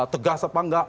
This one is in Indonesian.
tegas apa enggak